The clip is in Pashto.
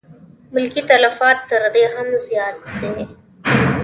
ملکي تلفات تر دې هم زیات دي.